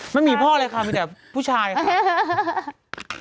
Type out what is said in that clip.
ไม่มีพ่อเลยค่ะมีแต่ผู้ชายค่ะ